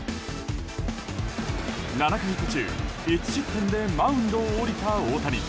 ７回途中１失点でマウンドを降りた大谷。